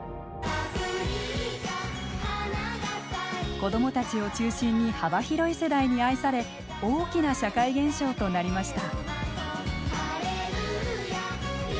子どもたちを中心に幅広い世代に愛され大きな社会現象となりました。